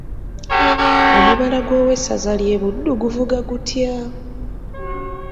Omubala gw'Owessaza ly'e buddu guvuga gutya?